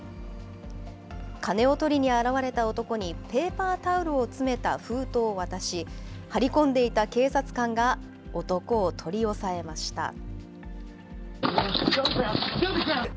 金を取りに現れた男に、ペーパータオルを詰めた封筒を渡し、張り込んでいた警察官が男を取り押さえました。